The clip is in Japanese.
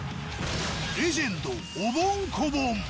レジェンド、おぼん・こぼん。